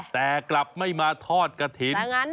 แต่กลับไม่มาทอดกระถิ่น